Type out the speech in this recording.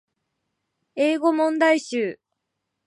英語問題集